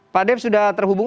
pak dev sudah terhubung